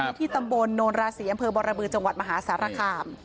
อยู่ในพิธีตำบลโนราศีอำเภอบรมบืนจังหวัดมหาศาสตร์ระคราบ